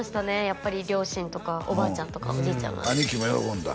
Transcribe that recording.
やっぱり両親とかおばあちゃんとかおじいちゃんが兄貴も喜んだ？